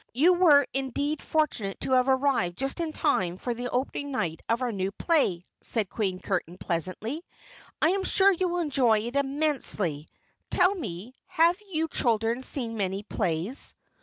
"You were indeed fortunate to have arrived just in time for the opening night of our new play," said Queen Curtain pleasantly. "I am sure you will enjoy it immensely. Tell me, have you children seen many plays?"